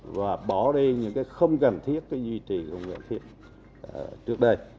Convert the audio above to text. và bỏ đi những cái không cần thiết cái duy trì không cần thiết trước đây